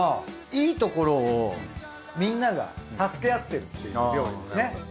いいところをみんなが助け合ってるっていう料理ですね。